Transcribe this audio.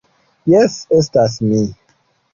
Jes, estas mi